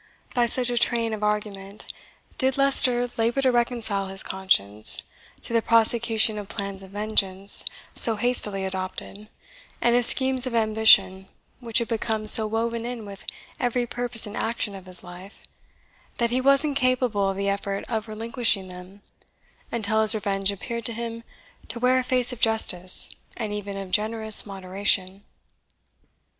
By such a train of argument did Leicester labour to reconcile his conscience to the prosecution of plans of vengeance, so hastily adopted, and of schemes of ambition, which had become so woven in with every purpose and action of his life that he was incapable of the effort of relinquishing them, until his revenge appeared to him to wear a face of justice, and even of generous moderation.